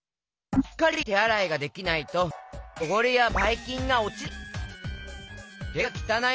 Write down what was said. しっかりてあらいができないとよごれやバイキンがおちない！